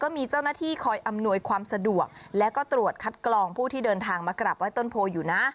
มีเจ้าหน้าที่คอยอำนวยความสะดวกแล้วก็ตรวจคัดกรองผู้ที่เดินทางมากราบไห้ต้นโพอยู่นะ